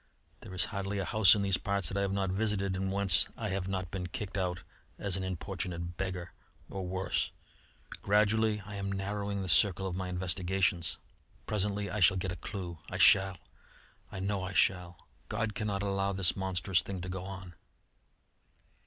There is hardly a house in these parts that I have not visited and whence I have not been kicked out as an importunate beggar or worse. Gradually I am narrowing the circle of my investigations. Presently I shall get a clue. I shall! I know I shall! God cannot allow this monstrous thing to go on!"